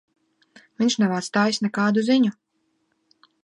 Viņš nav atstājis nekādu ziņu.